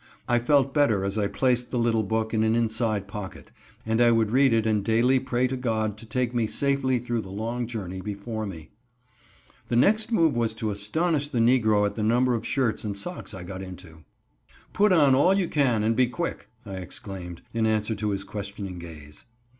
I felt better as I placed the little book in an inside pocket, and I would read it and daily pray to God to take me safely through the long journey before me. My next move was to astonish the negro at the number of shirts and socks I got into. "Put on all you can and be quick," I exclaimed, in answer to his questioning gaze.